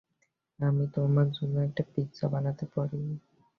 আমি তোমার জন্য একটা পিজ্জা বানাতে পরি।